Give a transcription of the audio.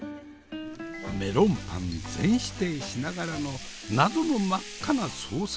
メロンパン全否定しながらの謎の真っ赤なソースがけ。